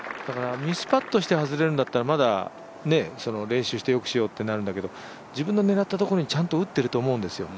ミスパットして外れるんだったら、まだ練習してよくしようってなるんですけど自分の狙ったところにちゃんと打ってると思うんですよ